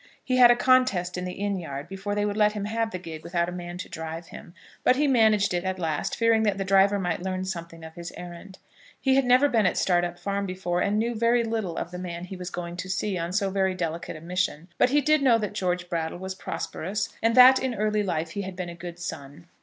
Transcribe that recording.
He had a contest in the inn yard before they would let him have the gig without a man to drive him; but he managed it at last, fearing that the driver might learn something of his errand. He had never been at Startup Farm before; and knew very little of the man he was going to see on so very delicate a mission; but he did know that George Brattle was prosperous, and that in early life he had been a good son.